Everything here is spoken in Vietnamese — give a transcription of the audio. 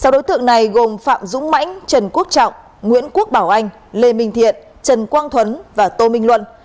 sáu đối tượng này gồm phạm dũng mãnh trần quốc trọng nguyễn quốc bảo anh lê minh thiện trần quang thuấn và tô minh luân